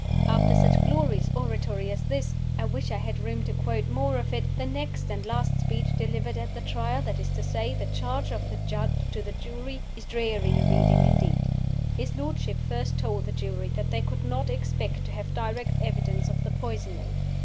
After such glorious oratory as this (I wish I had room to quote more of it!), the next, and last, speech delivered at the Trial that is to say, the Charge of the Judge to the Jury is dreary reading indeed. His lordship first told the Jury that they could not expect to have direct evidence of the poisoning.